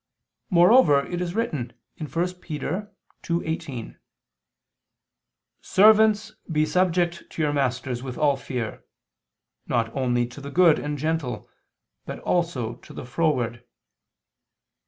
Moreover it is written (1 Pet. 2:18): "Servants be subject to your masters with all fear, not only to the good and gentle, but also to the froward."